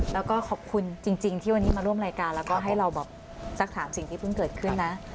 แล้วก็ขอบคุณจริงที่วันนี้มาร่วมรายการแล้วก็ให้เราแบบสักถามสิ่งที่เพิ่งเกิดขึ้นนะ